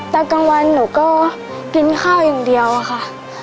ตอนกลางวันหนูก็กินข้าวอย่างเดียวค่ะ